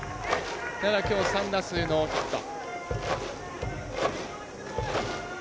ただ、きょう３打数ノーヒット。